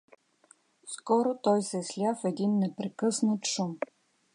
Скоро той се сля в един непрекъснат шум.